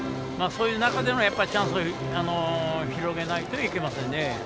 そういう中でチャンスを広げないといけません。